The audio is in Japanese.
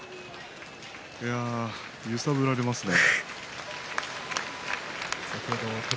いや揺さぶられますね。